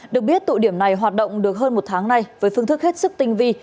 được biết tụ điểm này hoạt động được hơn một tháng nay với phương thức hết sức tinh vi